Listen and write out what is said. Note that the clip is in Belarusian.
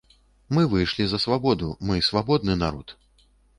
Мы выйшлі за свабоду, мы свабодны народ.